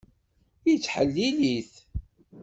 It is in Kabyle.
Yettḥellil-it.